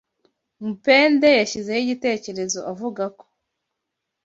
Mupende, yashyizeho igitekerezo avuga ko